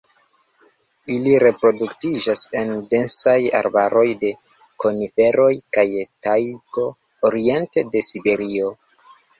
Ili reproduktiĝas en densaj arbaroj de koniferoj kaj tajgo oriente de Siberio.